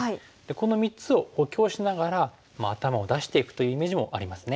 この３つを補強しながら頭を出していくというイメージもありますね。